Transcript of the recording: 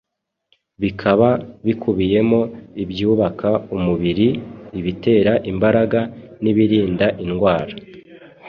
bikaba bikubiyemo ibyubaka umubiri, ibitera imbaraga n’ibirinda indwara.